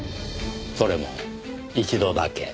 それも一度だけ。